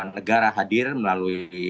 negara hadir melalui aparat